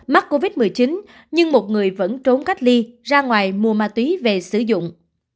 mắc covid một mươi chín nhưng một người vẫn trốn cách ly ra ngoài mua ma túy về sử dụng